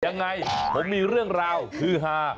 ยังไงผมมีเรื่องราวฮือฮา